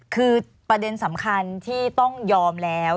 คือประเด็นสำคัญที่ต้องยอมแล้ว